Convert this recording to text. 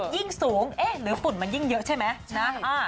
ยิ่งสูงเอ๊ะหรือฝุ่นมันยิ่งเยอะใช่ไหมนะ